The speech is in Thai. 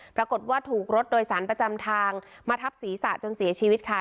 ปรากฏว่าถูกรถโดยสารประจำทางมาทับศีรษะจนเสียชีวิตค่ะ